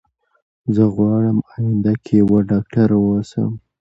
زه غواړم اينده کي يوه ډاکتره اوسم